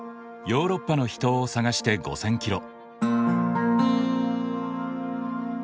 ヨーロッパの秘湯を探して５，０００キロ。